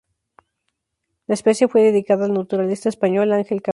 La especie fue dedicada al naturalista español Ángel Cabrera.